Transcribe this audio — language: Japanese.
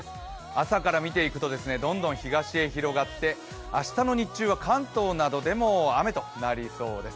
朝から見ていくと、どんどん東へ広がって明日の日中は関東などでも雨となりそうです。